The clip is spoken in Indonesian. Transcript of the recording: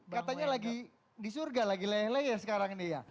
katanya lagi di surga lagi leleh sekarang ini ya